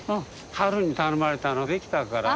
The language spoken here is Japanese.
春に頼まれたの出来たから。